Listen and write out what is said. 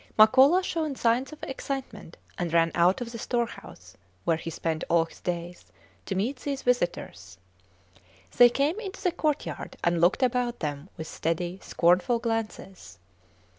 Makola showed signs of excitement, and ran out of the storehouse (where he spent all his days) to meet these visitors. They came into the courtyard and looked about them with steady, scornful glances.